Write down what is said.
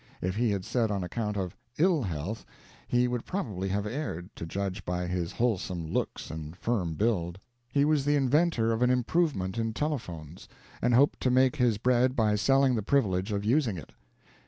If he had said on account of ill health, he would probably have erred, to judge by his wholesome looks and firm build. He was the inventor of an improvement in telephones, and hoped to make his bread by selling the privilege of using it.